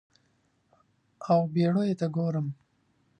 او بیړیو ته ګورم